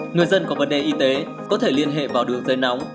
người dân có vấn đề y tế có thể liên hệ vào đường dây nóng